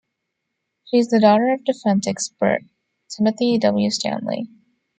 She is the daughter of defense expert Timothy W. Stanley.